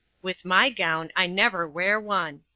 With my gown, I never wear one.